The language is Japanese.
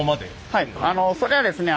はいそれはですね